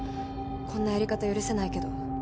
こんなやり方許せないけど。